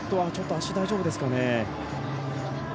足、大丈夫ですかね。